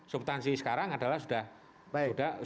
subtansi sekarang adalah sudah merespon masalah yang terjadi